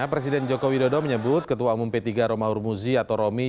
presiden joko widodo menyebut ketua umum p tiga romahur muzi atau romi